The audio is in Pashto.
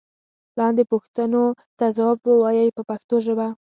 لاندې پوښتنو ته ځواب و وایئ په پښتو ژبه.